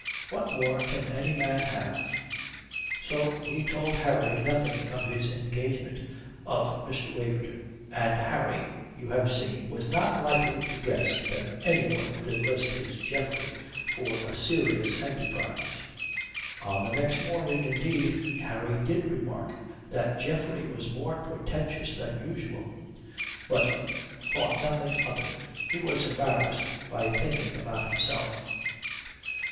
What more can any man have? So he told Harry nothing of his engagement of Mr. Waverton, and Harry, you have seen, was not likely to guess that anyone would enlist his Geoffrey for a serious enterprise. On the next morning, indeed, Harry did remark that Geoffrey was more portentous than usual, but thought nothing of it. He was embarrassed by thinking about himself.